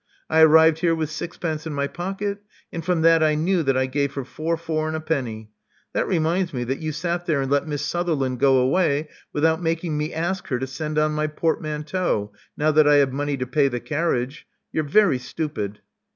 I arrived here with sixpence in my pocket; and from that I knew that I gave her four, four, and a penny. That reminds me that you sat there and let Miss Sutherland go away without making me ask her to send on my portmanteau, now that I have money to pay the carriage. You're very stupid."